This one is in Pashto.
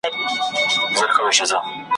څوک به سوال کړي د کوترو له بازانو `